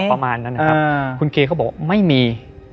ประมาณนั้นนะครับคุณเกย์เขาบอกว่าไม่มี